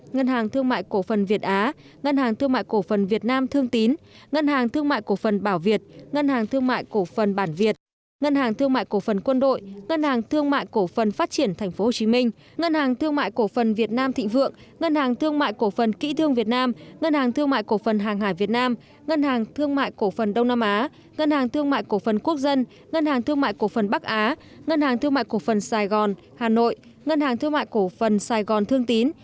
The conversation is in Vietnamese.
ngân hàng thương mại cổ phần việt á ngân hàng thương mại cổ phần việt nam thương tín ngân hàng thương mại cổ phần bảo việt ngân hàng thương mại cổ phần bản việt ngân hàng thương mại cổ phần quân đội ngân hàng thương mại cổ phần phát triển tp hcm ngân hàng thương mại cổ phần việt nam thịnh vượng ngân hàng thương mại cổ phần kỹ thương việt nam ngân hàng thương mại cổ phần hàng hải việt nam ngân hàng thương mại cổ phần đông nam á ngân hàng thương mại cổ phần quốc dân ngân hàng thương mại cổ phần bắc á ngân hàng thương mại cổ phần sài gòn hà nội ngân